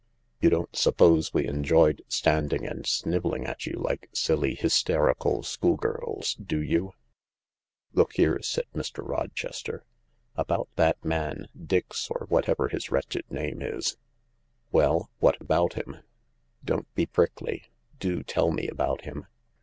You don't suppose we enjoyed standing and snivelling at you like silly, hysterical schoolgirls, do you ?" "Look here," said Mr. Rochester, "about that man Dix, or whatever his wretched name is ..." "Well, what about him ?" "Don't be prickly. Do tell me about him."